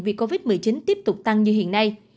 vì covid một mươi chín tiếp tục tăng như hiện nay